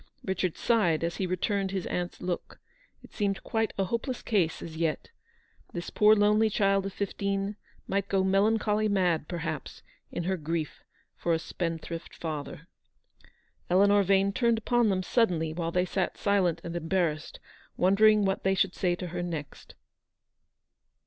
Richard sighed as he returned his aunt's look. It seemed quite a hope less case as yet. This poor lonely child of fifteen might go melancholy mad, perhaps, in her grief for a spendthrift father. Eleanor Vane turned upon them suddenly while they sat silent and embarrassed, wondering what they should say to her next.